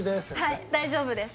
はい大丈夫です。